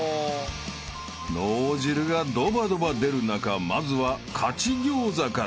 ［脳汁がドバドバ出る中まずは勝ち餃子から］